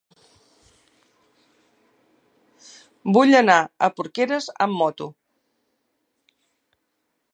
Vull anar a Porqueres amb moto.